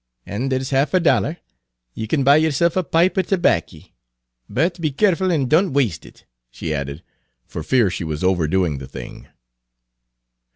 An' there's half a dollar; ye can buy yerself a pipe er terbacky. But be careful an' don't waste it," she added, for fear she was overdoing the thing.